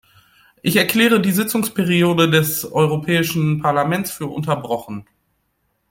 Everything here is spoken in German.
Ich erkläre die Sitzungsperiode de Europäischen Parlaments für unterbrochen.